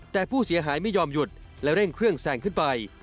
แต่ผู้เสียหายไม่ยอมหยุดและเร่งเครื่องแซงขึ้นไป